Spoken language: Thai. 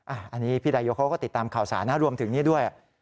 อันนี้พี่ดายกเขาก็ติดตามข่าวสารนะรวมถึงนี่ด้วย